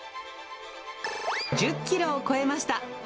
１０キロを超えました。